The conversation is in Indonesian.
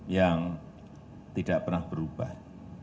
yang tidak pernah berubah